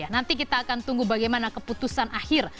nanti kita akan tunggu bagaimana keputusan akhir